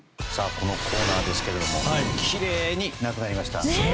このコーナーですがきれいになくなりました。